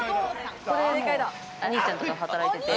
ここでお兄ちゃんとか働いてて。